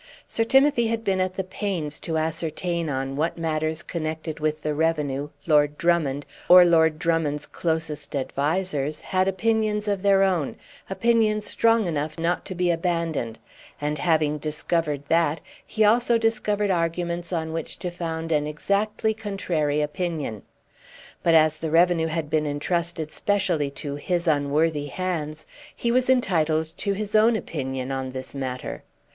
Sir Timothy had been at the pains to ascertain on what matters connected with the Revenue, Lord Drummond, or Lord Drummond's closest advisers, had opinions of their own, opinions strong enough not to be abandoned; and having discovered that, he also discovered arguments on which to found an exactly contrary opinion. But as the Revenue had been entrusted specially to his unworthy hands, he was entitled to his own opinion on this matter.